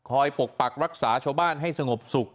ปกปักรักษาชาวบ้านให้สงบสุข